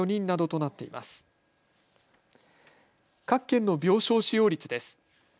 各県の病床使用率です。